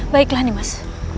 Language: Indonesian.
baiklah nih mas